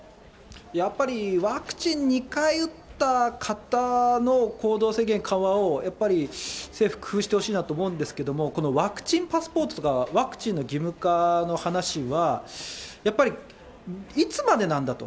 やっぱり、ワクチン２回打った方の行動制限緩和をやっぱり政府、工夫してほしいなと思うんですけれども、ワクチンパスポートとかワクチンの義務化の話は、やっぱり、いつまでなんだと。